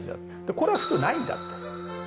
これは普通ないんだって。